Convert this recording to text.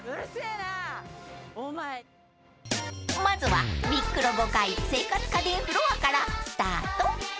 ［まずはビックロ５階生活家電フロアからスタート］